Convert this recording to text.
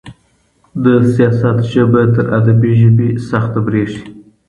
د سياست ژبه تر ادبي ژبي سخته برېښي.